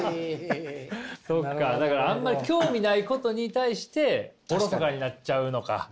そっかだからあんまり興味ないことに対しておろそかになっちゃうのか。